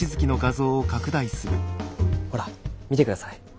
ほら見て下さい。